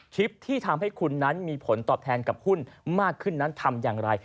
คลิปที่ทำให้คุณนั้นมีผลตอบแทนกับหุ้นมากขึ้นนั้นทำอย่างไร